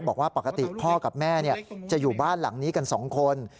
บอกว่าปกติพ่อกับแม่จะอยู่บ้านหลังนี้กัน๒คน